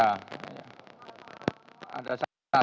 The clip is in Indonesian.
ada satu kalau tidak salah tadi waktu tadi pagi ya